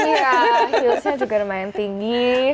iya hillsnya juga lumayan tinggi